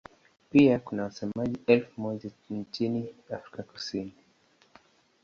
Pia kuna wasemaji elfu moja nchini Afrika Kusini.